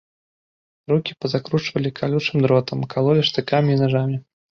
Рукі пазакручвалі калючым дротам, калолі штыкамі і нажамі.